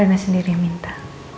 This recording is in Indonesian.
reina sendiri yang minta